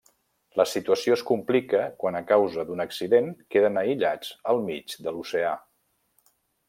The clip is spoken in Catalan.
La situació es complica quan, a causa d'un accident queden aïllats al mig de l'oceà.